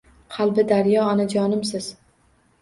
Qalbi daryo onajonimsiz